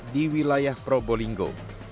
di wilayah probolinggo